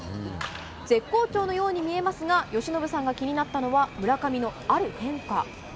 絶好調のように見えますが、由伸さんが気になったのは、村上のある変化。